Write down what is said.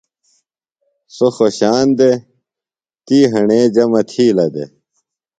سوۡ خوشان دےۡ۔ تی ہݨے جمع تِھیلہ دےۡ۔